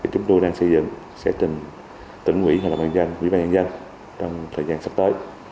chúng tôi đang xây dựng sẽ tỉnh tỉnh quỹ hay là bàn gian quỹ bàn gian trong thời gian sắp tới